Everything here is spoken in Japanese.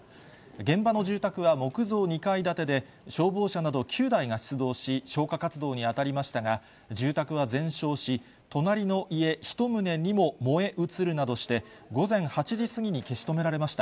現場の住宅は木造２階建てで、消防車など９台が出動し、消火活動に当たりましたが、住宅は全焼し、隣の家１棟にも燃え移るなどして、午前８時過ぎに消し止められました。